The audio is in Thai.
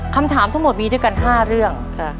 คำถามทั้งหมดมีด้วยกัน๕เรื่อง